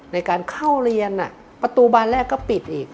ในการเข้าเรียนประตูบานแรกก็ปิดอีก